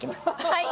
はい。